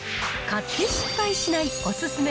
買って失敗しないおすすめ